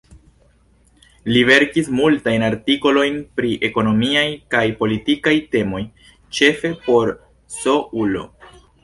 Li verkis multajn artikolojn pri ekonomiaj kaj politikaj temoj, ĉefe por S-ulo.